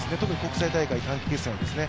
特に国際大会、短期決戦はですね